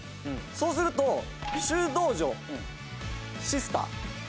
そうすると修道女シスター。